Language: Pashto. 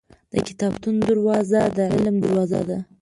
• د کتابتون دروازه د علم دروازه ده.